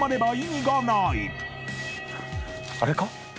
あれか？